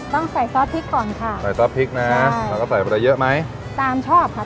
ต้องใส่ซอสพริกก่อนค่ะใส่ซอสพริกนะแล้วก็ใส่มาได้เยอะไหมตามชอบค่ะ